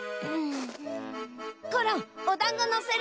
コロンおだんごのせるのだ。